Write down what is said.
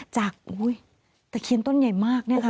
จากอุ๊ยตะเคียนต้นใหญ่มากเนี่ยค่ะ